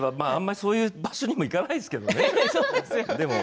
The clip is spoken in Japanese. そういう場所にも行かないですけどね。